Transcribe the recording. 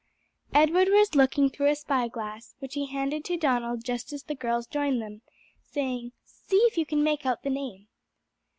Edward was looking through a spy glass, which he handed to Donald just as the girls joined them, saying, "See if you can make out the name."